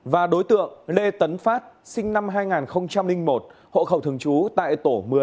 và đối tượng lê tấn phát sinh năm hai nghìn một hộ khẩu thường trú tại tổ một mươi